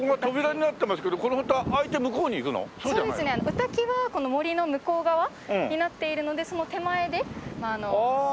御嶽はこの森の向こう側になっているのでその手前でお祈りというか。